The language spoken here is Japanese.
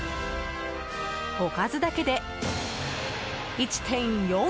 おかずだけで１．４ｋｇ！